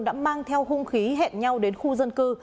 đã mang theo hung khí hẹn nhau đến khu dân cư